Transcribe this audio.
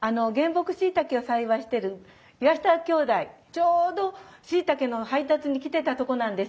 ちょうどしいたけの配達に来てたとこなんですよ。